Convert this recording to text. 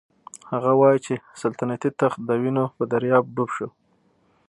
هغه وايي چې سلطنتي تخت د وینو په دریاب ډوب شو.